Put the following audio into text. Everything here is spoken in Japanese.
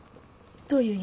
どういう意味？